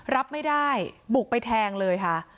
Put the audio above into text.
รับไม่ได้บุกไปแทงเลยค่ะ